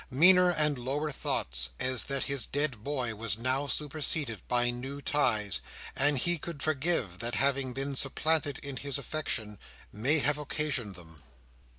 Meaner and lower thoughts, as that his dead boy was now superseded by new ties, and he could forgive the having been supplanted in his affection, may have occasioned them.